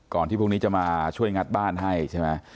ที่พวกนี้จะมาช่วยงัดบ้านให้ใช่ไหม